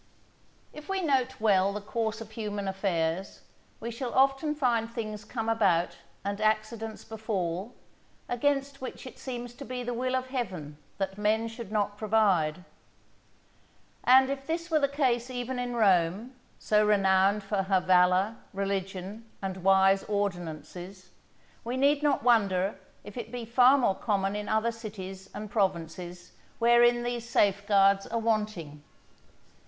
_ If we note well the course of human affairs, we shall often find things come about and accidents befall, against which it seems to be the will of Heaven that men should not provide. And if this were the case even in Rome, so renowned for her valour, religion, and wise ordinances, we need not wonder if it be far more common in other cities and provinces wherein these safeguards are wanting.